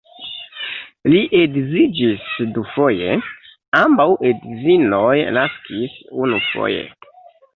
Li edziĝis dufoje, ambaŭ edzinoj naskis unufoje.